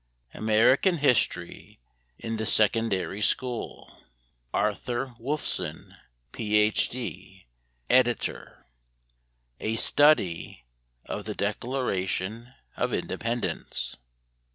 ] American History in the Secondary School ARTHUR M. WOLFSON, PH.D., Editor. A STUDY OF THE DECLARATION OF INDEPENDENCE.